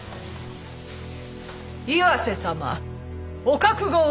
岩瀬様お覚悟を！